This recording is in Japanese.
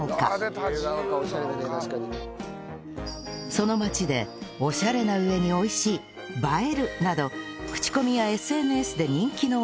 その街で「オシャレなうえに美味しい！」「映える！」など口コミや ＳＮＳ で人気のお店が